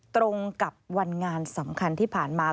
ตรงกับวันงานสำคัญที่ผ่านมา